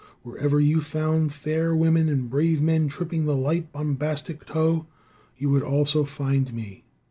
Wherever you found fair women and brave men tripping the light bombastic toe, you would also find me.